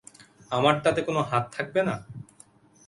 আমার তাতে কোনো হাত থাকবে না?